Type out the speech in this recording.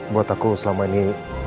buat aku selama ini